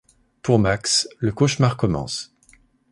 Pour Max, le cauchemar commence.